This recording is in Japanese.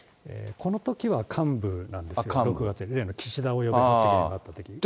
このときは幹部なんです、６月、岸田を呼び出せ発言があったとき。